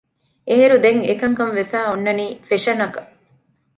އޭރުދެން އެކަންކަން ވެފައި އޮންނަނީ ފެޝަނަކަށް